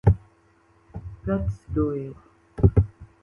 The coins are counted and weighed, then put into large bags.